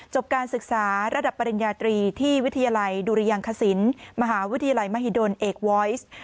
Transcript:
การศึกษาระดับปริญญาตรีที่วิทยาลัยดุริยังคศิลป์มหาวิทยาลัยมหิดลเอกวอยซ์